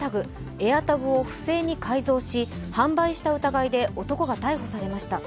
ＡｉｒＴａｇを不正に改造し、販売した疑いで男が逮捕されました。